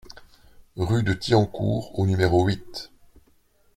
Rue de Thiancourt au numéro huit